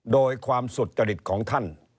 โดยความสุจริตของท่าน